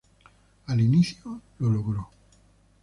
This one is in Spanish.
Al inicio lo logró.